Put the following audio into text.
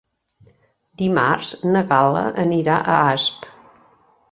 Dimarts na Gal·la anirà a Asp.